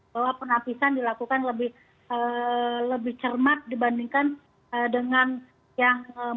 bahwa penapisan dilakukan lebih cermat dibandingkan dengan yang